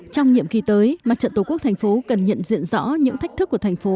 trong nhiệm kỳ tới mặt trận tổ quốc thành phố cần nhận diện rõ những thách thức của thành phố